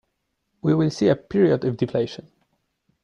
We will see a period of deflation.